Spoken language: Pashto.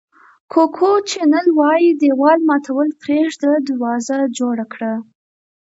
کوکو چینل وایي دېوال ماتول پرېږده دروازه جوړه کړه.